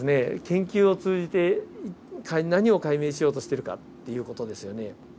研究を通じて何を解明しようとしてるかっていう事ですよね。